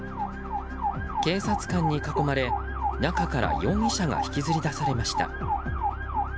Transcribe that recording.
警察官に囲まれ、中から容疑者が引きずり出されました。